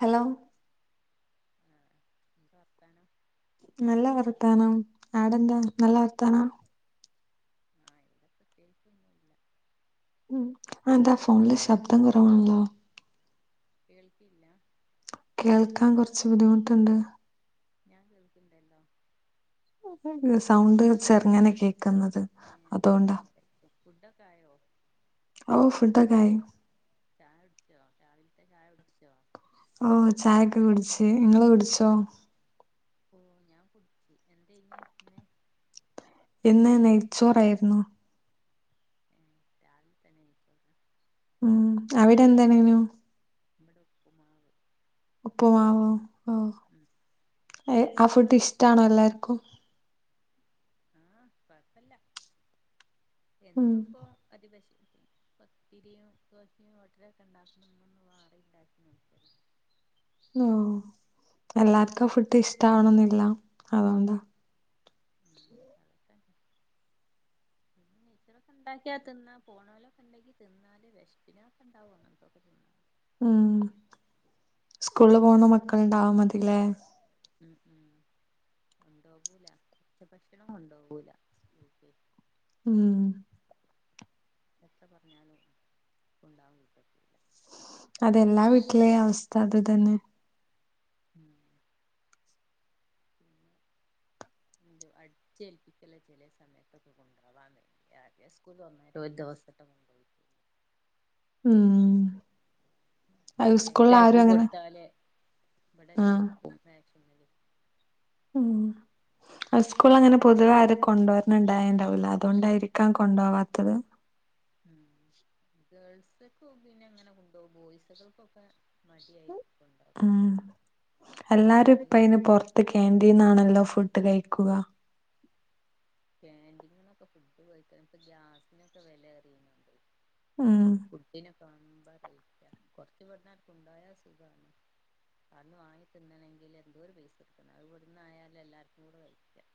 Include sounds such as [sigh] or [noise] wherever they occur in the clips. Hello എന്തക്കെ വർത്താനം. നല്ല വർത്താനം ആടെന്ത നല്ല വർത്താനാ ആഹ് ഇവിടെ പ്രത്യേകിച്ചൊന്നുല്ല ഉം അതന്താ ഇപ്പല്ല ഫോണില് ശബ്ദം കുറവാണല്ലോ കേൾക്കീല്ല കേൾക്കാൻ കുറച്ച് ബുദ്ധിമുട്ടുണ്ട് ഞാൻ കേൾക്ക്ണ്ടല്ലോ [unintelligible] സൗണ്ട് ചെറ്ങ്ങനെ കേ ക്ക്ന്നത് ഏഹ് അതോണ്ടാ അതായിട്ടായിരിക്കും ഫുഡൊക്കെ ആയോ അവു ഫുഡൊക്കെ ആയി ച്ചൊ രാവില്ത്തെ ചായ കുടിച്ചോ? ഓ ചായൊക്ക കുടിച്ച് ഇങ്ങള് കുടിച്ചോ? ഓ ഞാൻ കുടിച്ച് എന്തെയ്നി ഇന്ന് ഇന്ന് നെയ്ച്ചോറായിരുന്നു. [inaudible] ഉം. അവിടെ എന്താണെഞ്ഞൂ. ഇവിടെ ഉപ്പുമാവ് ഉപ്പ്മാവോ. ഓ. ഉം ആ ഫുഡ് ഇഷ്ടാണോ എല്ലാർക്കും. [inaudible] ഉം എന്നും പോ അടിപശ പത്തിരിയും ദോശയും ഓട്ടടക്കെ ഉണ്ടാക്കുന്നതാ. ഇന്നൊന്ന് വേറെ ഉണ്ടാക്കിനോക്കിയതാ. ആ എല്ലാർക്കും ഫുഡ് ഇഷ്ടാവണെന്നില്ല അതോണ്ട ഉം അതൊക്കെ ഉണ്ടാക്കിയാ തിന്നാ. പോണവലൊക്കെ ഉണ്ടാക്കി തിന്നാല് വൃഷ്പിനൊ ഒക്കെ ഇണ്ടാവുംങ്ങനുക്കൊ തിന്ന ഉം. സ്കൂളില് പോണ മക്കൾ ഉണ്ടാവ മതില്ലേ. കൊണ്ടോകൂല. ഉച്ച ഭക്ഷണം കൊണ്ടോകൂല. സ്കൂളിൽക്ക്. ഉം. [inaudible] അതെല്ലാ വീട്ട്ലേയും അവസ്ഥ അത് തന്നെ പി അടിച്ചേൽപ്പിക്കല്ല [inaudible] ഉം അത് ബേഗ് സ്കൂളിൽ ആരും അങ്ങനെ ലാക്കികൊടുത്താല് ഇവിടെന്നെ ആഹ് [inaudible] [inaudible] ഉം ഹൈസ്കൂല്ങ്ങനെ പൊതുവേ ആര് കൊണ്ടുവരണിണ്ടായണ്ടാവൂല്ല അതുകൊണ്ടായിരിക്കാം കൊണ്ടോവാത്തത് ഉ ഗേൾസ് [inaudible] ആ എല്ലാരും ഒരു ഇപ്പൈന് പൊറത്ത് ക്യാൻ്റീന്നാണല്ലോ ഫുഡ് കയ്ക്കുക എന്തെങ്കിലുഒക്കെ ഫുഡ് കഴിക്കത്ത ഗ്യാസിനൊക്കെ വെല എറിയുന്നുണ്ട് ആഹ് മ്പ കഴിക്കാ കൊറച്ചു ഇവ്ട്ന്ന് കൊണ്ടായ സുഖാണ് അട്ന്ന് വാങ്ങി തിന്നണെങ്കില് എന്തോര് പൈസ എടുക്കണം ഇവ്ട്ന്നായാല് എല്ലാർക്കുംകൂടെ കഴിക്കാം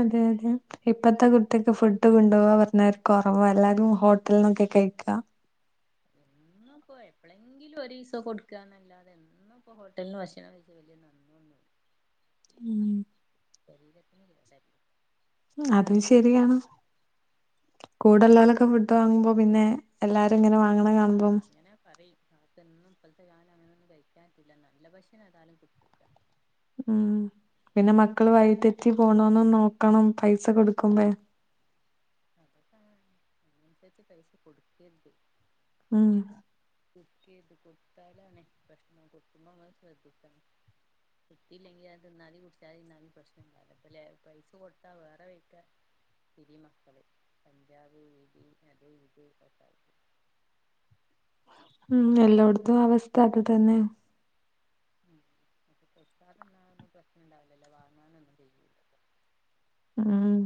അതെ അതെ ഇപ്പത്തെ കുട്ടിക്ക് ഫുഡ് കൊണ്ടുപോവാൻ പറഞ്ഞാൽ കൊറവാ എല്ലാവരും ഹോട്ടൽന്നൊക്കെ കഴിക്കാ പ്പഎപ്പളെങ്കിലും ഒരീസോ കൊടുക്കാന്നല്ലാതെ എന്നും ഇപ്പ ഹോട്ടൽന്ന് ഭക്ഷണം കഴിഞ്ഞാ നന്നല്ല ഉം [inaudible] അതും ശെരിയാണ് കൂടെള്ള ലൊക്കെ ഫുഡ് വാങ്ങുമ്പോ പിന്നെ എല്ലാരും ഇങ്ങനെ വാ അങ്ങനെ ആഹ് കാണുമ്പം അങ്ങനെ [inaudible] ഉം പിന്നെ മക്കള് വൈതെറ്റി പോണോന്ന് നോക്കണം പൈസ കൊടുക്കുമ്പഴ് [inaudible] ഉം കൊടക്കേര്ത് കൊട്ത്താലാണ് പ്രശ്നം കൊടക്കുമ്പങ്ങള് ശ്രദ്ധിക്കണം. കൊട്ത്തിയില്ലെങ്കില് അത് തിന്നാതി കുടിച്ചാതിന്നാലും പ്രശ്നല്ല അത്പ്പല്ലെ പൈസ കൊട്ത്താ വേറെ വഴിക്കാ തിരിയും മക്കള് കഞ്ചാവ്, ബീഡി അത് ഇത് [inaudible] ഉം എല്ലോട്ത്തും അവസ്ഥ അത് തന്നെ ഉം മക്കള്ക്ക് കൊടക്കാതന്നാല് പ്രശ്നണ്ടാവുലല്ലോ അഹ് വാങ്ങാനൊന്നും കയ്യൂല [inaudible] ഉം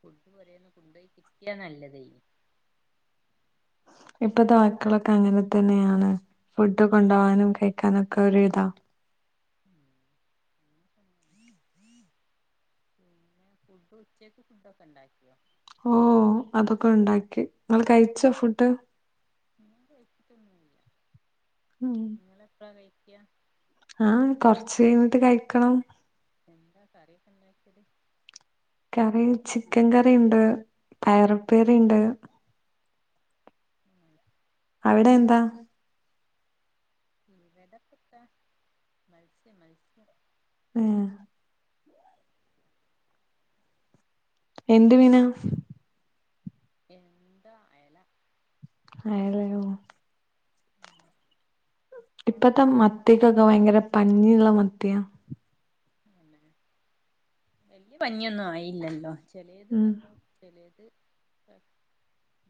ഫുഡ് പൊരേന്ന് കൊണ്ടേയി കിട്ടിയാ നല്ലതേനി ഇപ്പത്തെ മക്കളൊക്കെ അങ്ങനെ തന്നെയാണ് ഫുഡ് കൊണ്ടോവാനും കഴിക്കാനു ഒക്കെ ഒരു ഇതാ ഉം [inaudible] ഫുഡു ഉച്ചയ്ക്ക് ഫുഡൊക്കെ ഇണ്ടാക്കിയോ ഓ അതൊക്ക ഒണ്ടാക്കി ഇങ്ങള് കഴിച്ചോ ഫുഡ് ഞാന് കഴിച്ചിട്ടൊന്നുല്ല്യ ഉം നിങ്ങള് എപ്പളാ കഴി ക്ക്യാ ആഹ് കൊറ്ച്ച് കഴിഞ്ഞിട്ട് കഴിക്കണം എന്താ കറിയൊക്കെണ്ടാക്കിയത് കറി ചിക്കൻ കറിയിണ്ട് പയറ്പ്പേരിണ്ട് ഉം അവിടെ എന്താ ഇവടപ്പത്താ മത്സ്യം മത്സ്യം. ഏഹ് എന്ത് മീനാ എന്താ അയല അയലയോ. ഇപ്പം ഇപ്പത്തെ മത്തിക്കൊ ക്ഭയങ്കര പഞ്ഞിയുള്ള മത്തിയാ. വല്ല്യ പഞ്ഞിയൊന്നും ആയീല്ലല്ലോ ചെലേത് ഉം വന്നു ചെലേത്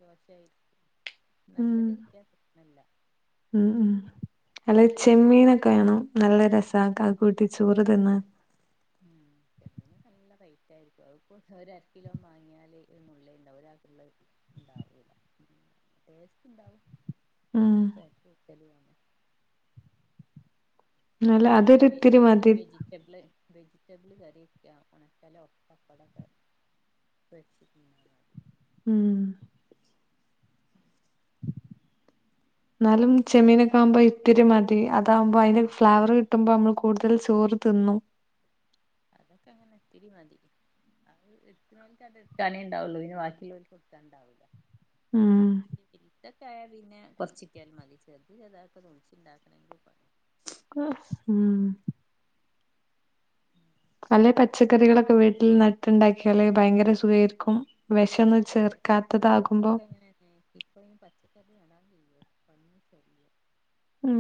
മോശായി ഉം നല്ലത് കിട്ട്യാപ്രശ്നല്ല്യ. അല്ലെ ചെമ്മീനൊക്കെ വേണം നല്ല രസാ കാ കൂട്ടി ചോറ് തിന്നാൻ. ഉം ചെമ്മിന് നല്ല റൈറ്റ് ആയിരിക്കും അഅ്പ്പോ ഒരര കിലോ വാങ്ങിയാല് ഒരു മുള്ളിണ്ടാവും ഒരാക്ക്ള്ള ഉണ്ടാവൂല ടേസ്റ്റ് ഇണ്ടാവും. ഉം [unintelligible] അതിനേറ്റിം നല്ല അതൊരു ഇത്തിരി വെജി മതി വെജിറ്റബ്ള് വെജിറ്റബിൾ കറ്യക്കാ ഉണക്കലോ പപ്പടോക്കെ പൊരിച്ച് തിന്നാ മതി ഉം എന്നാലും ചെമ്മീനൊക്കെ ആവുമ്പോ ഇത്തിരി മതി അതാകുമ്പോ അതിന്റെ ഫ്ലേവർ കിട്ടുമ്പോ നമ്മള് കൂടുതൽ ചോറ് തിന്നും അതൊക്കെ അങ്ങനെത്തിരി മതി അഅ് എടുക്ക്ണോൽക്ക് എട്ക്കാനെഉണ്ടാവുള്ളൂ പിന്നെ ബാക്കിയുള്ള ഇട്ക്കാൻ ഇണ്ടാവൂല്ല. ഉം [unintelligible] യാ പിന്നെ കൊറച്ചിട്ടിയാലും മതി ചെറുത് ചെറുത് ആയിട്ട് [unintelligible] ഇണ്ടാക്കെന്നെങ്കിലും പണിയാ [unintelligible] ഉം അല്ലെ പച്ചക്കറികളൊക്കെ വീട്ടിൽ നട്ടുണ്ടാക്കിയാലേ ഭയങ്കര സുഖായിരിക്കും വെശ് അതൊക്കെ അങ്ങനെന്നെ ഇപ്പതിന് പച്ചക്കറി നടാൻ കയിയോ? പന്നി ശല്ല്യം ഉം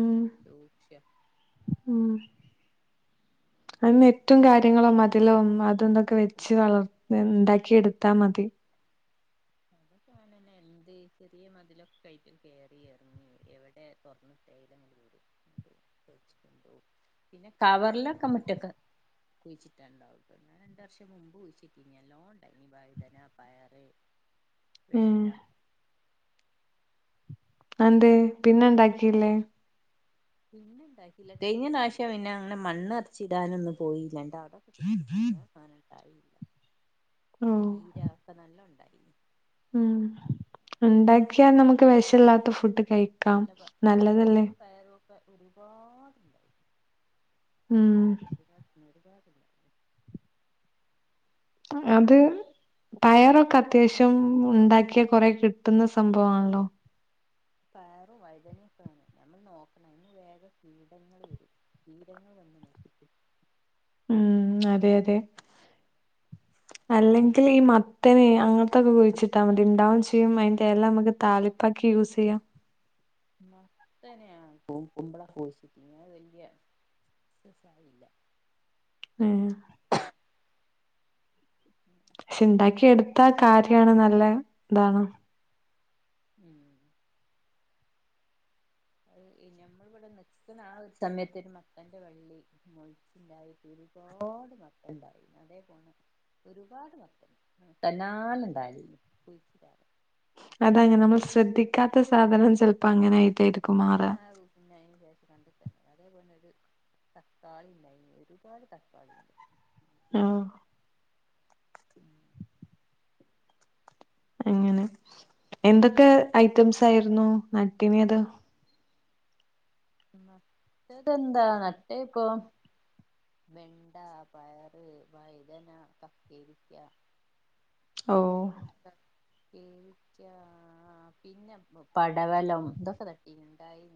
ഉം അതിന് ഏറ്റവും കാര്യങ്ങളോ മതിലോ അതന്തൊക്കെ വെച്ച് വളർ ഉണ്ടാക്കി എടുത്താ മതി. അതൊക്കെന്നെ എന്ത് ചെറിയ മതിലൊക്കെ കട്ടും കറി ഇറങ്ങി എവിടെ തുറന്നിട്ടതങ്ങി പിന്നെ കവറിലൊക്കെ മുറ്റക്ക കുഴിച്ചിട്ടുണ്ടാവട്ട രണ്ട വർഷം മുമ്പ് കുഴിച്ചിട്ട് ഇല്ലോണ്ടനി വഴുതന പയറ്. ഉം വെണ്ട അതെന്തിയെ പിന്നെ ഇണ്ടാക്കിയില്ലേ പിന്നെണ്ടാക്കില്ല കഴിഞ്ഞ പ്രാവശ്യം പിന്നെ അങ്ങനെ മണ്ണ് നറച്ചിടാനൊന്നും പോയില്ലാ [unintelligible] തയില്ല ഓ ചീര ഒക്കെ നല്ല ഉണ്ടായി. ഉം ഉണ്ടാക്കിയാൽ നമുക്ക് വിശയില്ലാത്ത ഫുഡ് കഴി വഴുതനയും പയറും ഇപ്പ ഒരുപാടുണ്ടായി. ഉം ഒരുപാടുണ്ടായി അത് പയറൊക്കെ അത്യാവശ്യം ഉണ്ടാക്കിയാ കൊറെ കിട്ടുന്ന സംഭവമാണല്ലോ പയറ് വഴുതനങ്ങ ഞമ്മൾ നോക്കണം ഇല്ലെങ്കിൽ വേഗം കീടങ്ങൾ വരും കീടങ്ങൾ വന്ന് നശിപ്പിക്കും ഉം അതെ അതെ അല്ലെങ്കിൽ ഈ മത്തനെ അങ്ങനത്തൊക്കെ കുഴിച്ചിട്ടാൽ മതി ഉണ്ടാവ അതിന്റെ ഇല നമുക്ക് മത്തന് താളിപ്പാക്കി യൂസ് ചെയ്യാം മത്തനെ കുമ്പളം കുഴിച്ചിട്ട് അത് വലിയ സക്സസ് ആയില്ല ആ പക്ഷെ ഉണ്ടാക്കി എടുത്ത കാര്യാണ് നല്ല ഇതാണ് ഉം അത് ഞമ്മളിവിടെ നിക്കുന്ന ആ ഒരു സമയത്ത് ഒരു മത്തന്റെ വള്ളി മൊളച്ചുണ്ടായിട്ട് ഒരുപാട് മത്തനുണ്ടായി അതേ പോണ ഒരുപാട് മത്തൻ തന്നാലുണ്ടായി കുഴിച്ചിടാതെ അതങ്ങനെ നമ്മൾ ശ്രദ്ധിക്കാത്ത സാധനം ചിലപ്പോ അങ്ങനെ ആയിട്ടായിരിക്കും മാറാ പിന്നെ ആ പിന്നെ അതിന് ശേഷം കണ്ടിട്ടന്ന അതേപോലെത്തന്നെ തക്കാളി ഉണ്ടായി ഒരുപാട് തക്കാളി ഉണ്ട് ആ ഉം അങ്ങനെ എന്തൊക്കെ ഐറ്റംസ് ആയിരുന്നു നട്ടിനത് നട്ടതെന്താ നട്ടേ ഇപ്പോ വെണ്ട പയറ് വഴുതന കക്കരിക്ക ഓ കക്കേരിക്ക പിന്നെ പടവലം ഇതൊക്കെ നട്ടിട്ടുണ്ടായി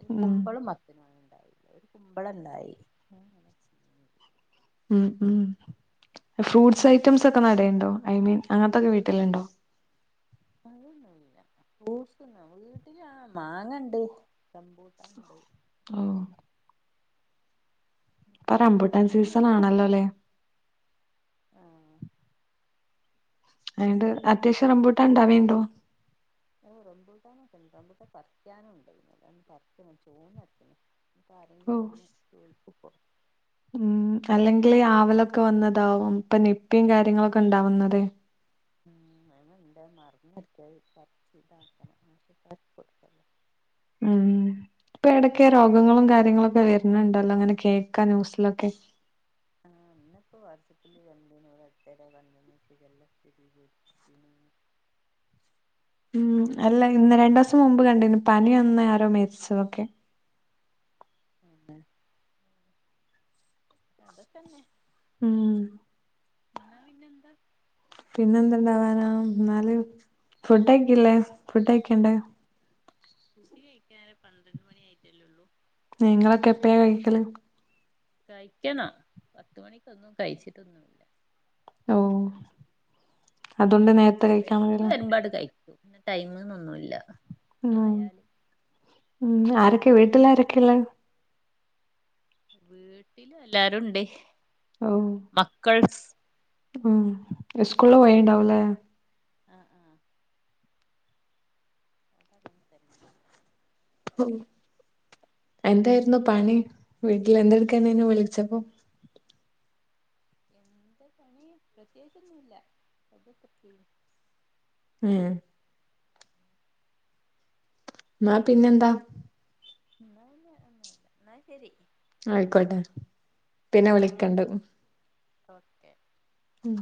ഒരു ഉം കുമ്പളം മത്തനുമാണ് ഒരു കുമ്പളം ഉണ്ടായി [unintelligible] ഉം ഉം ഫ്രൂട്ട്സ് ഐറ്റംസ് ഒക്കെ നടനുണ്ടോ ഐ മീൻ അങ്ങനത്തൊക്കെ വീട്ടിലുണ്ടോ അതൊന്നുല്ല വീട്ടിലാ മാങ്ങണ്ട് റംമ്പൂട്ടാൻ ഉണ്ട് ഓ ഇപ്പൊ റംമ്പൂട്ടാൻ സീസൺ ആണല്ലോല്ലേ ആഹ് അതണ്ട് അത്യാവശ്യം റമ്പൂട്ട ഇണ്ടാവണ്ടോ റമ്പൂട്ടാനൊക്കണ്ട് പറിക്കാനും ഉണ്ട്ന്ന് പറിക്കണം ചോന്നക്കണം ഇപ്പ ഓ ആരെങ്കിലും ഒന്ന് ചോദിച്ച ഉം അല്ലെങ്കിൽ വാവൽലൊക്കെ വന്നതാവും ഇപ്പൊ നിപ്പയും ഉം കാര്യങ്ങളൊക്കെ ഉണ്ടാവുന്നത് ഉം അന ഇണ്ട് മറന്നടുക്ക പറിച്ച് ഇതാക്കണം കൊടുക്കല്ലോ ഉം ഇപ്പ എടക്കെ രോഗങ്ങളും കാര്യങ്ങളൊക്കെ വരണണ്ടല്ലോ അങ്ങനെ കേൾക്കാ ന്യൂസിലൊക്കെ ആഹ ഇന്ന ഇപ്പൊ [inaudible] ഉം അല്ല ഇന്ന് രണ്ടു ദിവസം മുമ്പ് കണ്ടു ഇന്ന് പനി അന്ന് ആരോ മരിച്ച ക്കെ ഉ അതൊക്കന്നെ ഉം എന്ന പിന്നെ എന്താ പിന്നെന്തണ്ടാവാന എന്നാല് ഫുഡ്ക്കല്ലേ ഫുഡ കഴിക്കണ്ടേ ഫുഡ്‌ കഴിക്കൻ പന്ത്രണ്ട് മണി ആയിട്ടല്ലേള്ളൂ നിങ്ങളൊക്കെ എപ്പഴാ കഴിക്കല് കഴിക്കണ പത്ത മണിക്കൊന്നും കഴിച്ചിട്ടൊന്നുമില്ല ഓ അതുകൊണ്ട് നേരത്തെ വിശപ്പ് കഴിക്കാൻ മതിയല്ലോ വരുമ്പോഎടുത്തു കഴിക്കും ഇന്ന ടൈമ്ന്നൊന്നുല്ല മ് ആയാല് മ് ആരക്കെ വീട്ടിൽ ആരൊക്കെയുളേള വീട്ടില് എല്ലാരുണ്ട് മക്കൾസ് സ്കൂളിൽ പോയിണ്ടാവൂലെ ആഹ ആഹ അതന്നെ എന്തായിരുന്നു പണി വീട്ടിൽ എന്തെടുക്കെനീ വിളിച്ചപ്പോ എന്താ പണി പ്രത്യേകിച്ചൊന്നുല്ല വെറുതെ കുത്തർക്കേനി മ് എന്നാ പിന്നെന്താ ഇന്ന പിന്നെ ഒന്നുല്ല ഇന്നാ ശരി ആയിക്കോട്ടെ പിന്നെ വിളിക്കണ്ട് ഓക്കെ ഉം